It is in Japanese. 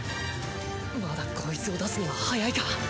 まだこいつを出すには早いか。